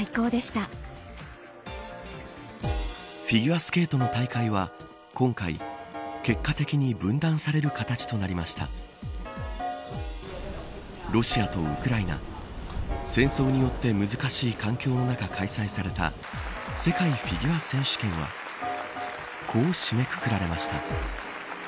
フィギュアスケートの大会は今回、結果的に分断される形となりましたロシアとウクライナ戦争によって難しい環境の中、開催された世界フィギュア選手権はこう締めくくられました。